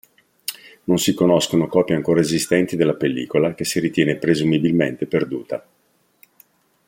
Non si conoscono copie ancora esistenti della pellicola che si ritiene presumibilmente perduta.